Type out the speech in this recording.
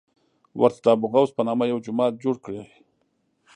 ورته د ابوغوث په نامه یو جومات جوړ کړی.